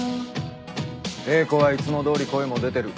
英子はいつもどおり声も出てる。